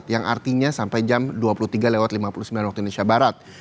yang artinya sampai jam dua puluh tiga lima puluh sembilan waktu indonesia barat